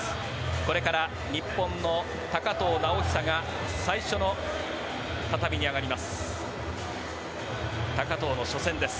これから日本の高藤直寿が最初の畳に上がります。